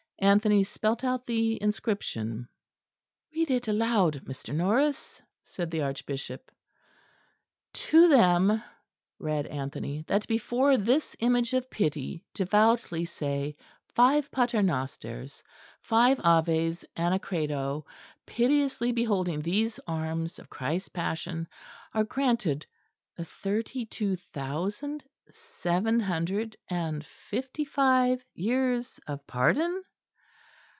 Anthony spelt out the inscription. "Read it aloud, Mr. Norris," said the Archbishop. "'To them,'" read Anthony, "'that before this image of pity devoutly say five paternosters, five aves and a credo, piteously beholding these arms of Christ's Passion, are granted thirty two thousand seven hundred and fifty five years of pardon.'"